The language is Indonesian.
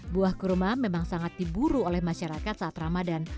buah kurma memang sangat diburu oleh masyarakat saat ramadan